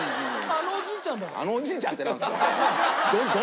「あのおじいちゃん」ってなんですか！